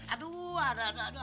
aduh aduh aduh